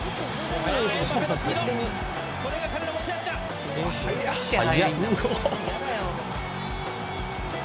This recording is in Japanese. これが彼の持ち味だ！